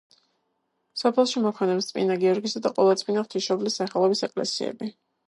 სოფელში მოქმედებს წმინდა გიორგისა და ყოვლადწმინდა ღვთისმშობლის სახელობის ეკლესიები.